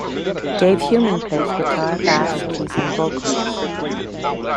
Dave Heumann plays guitar, bass, keys & vocals.